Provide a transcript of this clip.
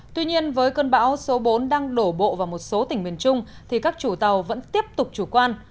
tuy nhiên với cơn bão số bốn đang đổ bộ vào một số tỉnh miền trung thì các chủ tàu vẫn tiếp tục chủ quan